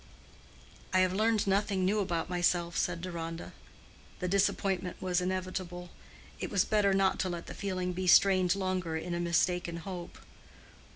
"I have learned nothing new about myself," said Deronda. The disappointment was inevitable: it was better not to let the feeling be strained longer in a mistaken hope.